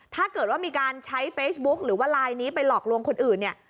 ถ้าเกิดว่ามีการใช้เฟซบุ๊กหรือว่าไลน์นี้ไปหลอกลวงคนอื่นเนี่ย